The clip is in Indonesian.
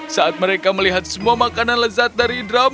saat mereka melihat semua makanan lezat dari drop